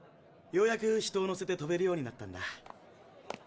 ようやく人を乗せて飛べるようになったんだ。